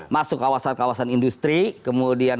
masuk kawasan kawasan industri kemudian